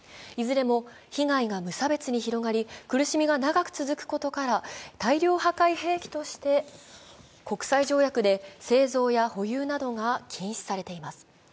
いずれも被害が差別的に広がり苦しみが長く続くことから大量破壊兵器として国際条約で製造や保有などが禁止されています。